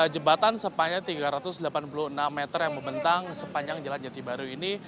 jembatan sepanjang tiga ratus delapan puluh enam meter yang membentang sepanjang jalan jati baru ini